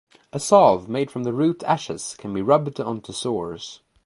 A salve made from the root ashes can be rubbed onto sores.